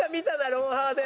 『ロンハー』で。